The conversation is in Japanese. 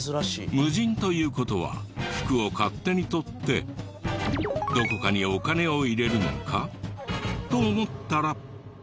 無人という事は服を勝手に取ってどこかにお金を入れるのか？と思ったら。